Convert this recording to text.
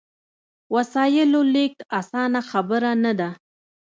وسایلو لېږد اسانه خبره نه ده.